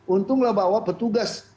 untunglah bahwa petugas